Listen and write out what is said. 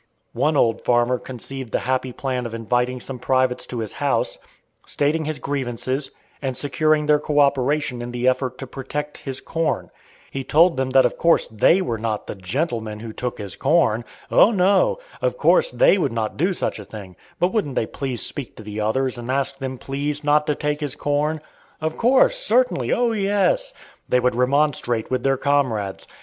One old farmer conceived the happy plan of inviting some privates to his house, stating his grievances, and securing their coöperation in the effort to protect his corn. He told them that of course they were not the gentlemen who took his corn! Oh no! of course they would not do such a thing; but wouldn't they please speak to the others and ask them please not to take his corn? Of course! certainly! oh, yes! they would remonstrate with their comrades.